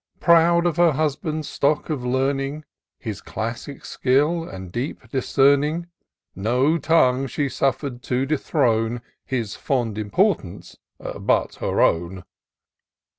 Proud of her husband's stock of learning. His classic skill and deep discerning, No tongue she suflTer'd to dethrone His fond importance — ^but her own.